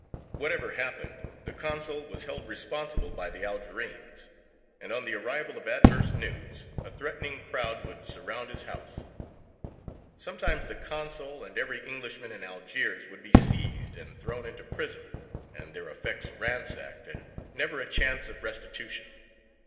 Whatever happened, the consul was held responsible by the Algerines, and on the arrival of adverse news a threatening crowd would surround his house. Sometimes the consul and every Englishman in Algiers would be seized and thrown into prison, and their effects ransacked, and never a chance of restitution.